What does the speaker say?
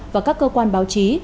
và các cơ quan báo chí